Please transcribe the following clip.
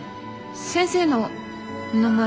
先生のお名前。